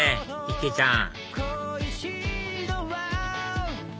いっけいちゃん